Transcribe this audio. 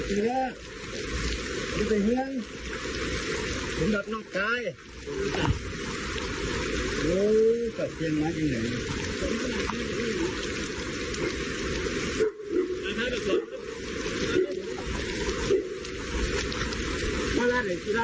นี่ค่ะถึงบอกว่าคุณผู้ชมไปดูภาพกันก่อนเลยค่ะ